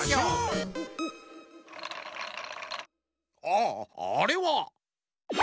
ああれは。